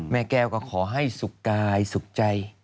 แม่แก้วก็ขอให้สุขกายสุขใจ